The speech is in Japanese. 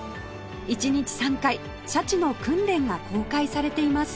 １日３回シャチの訓練が公開されています